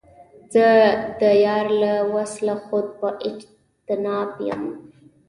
زه د یار له وصله خود په اجتناب یم